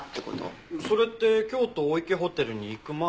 それって京都御池ホテルに行く前？